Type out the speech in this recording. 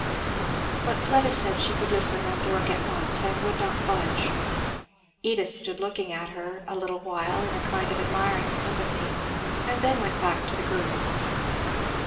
But Fleda said she could listen and work at once, and would not budge. Edith stood looking at her a little while in a kind of admiring sympathy, and then went back to the group.